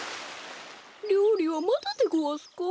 りょうりはまだでごわすか？